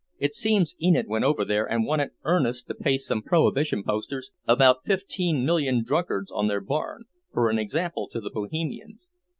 It seems Enid went over there and wanted Ernest to paste some Prohibition posters about fifteen million drunkards on their barn, for an example to the Bohemians.